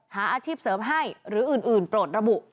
หาอาชีพเสริมให้หรืออื่นโปรดระบุ